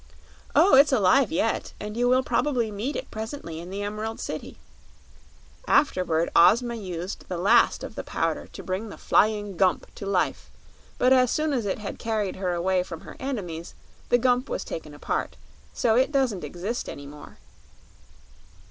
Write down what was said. "Oh, it's alive yet, and you will probably meet it presently in the Emerald City. Afterward, Ozma used the last of the Powder to bring the Flying Gump to life; but as soon as it had carried her away from her enemies the Gump was taken apart, so it doesn't exist any more."